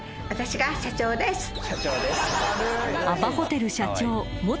私が社長です。